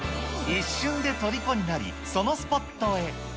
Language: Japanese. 一瞬でとりこになり、そのスポットへ。